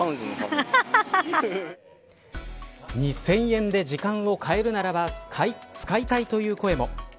２０００円で時間を買えるならば使いたいという声も。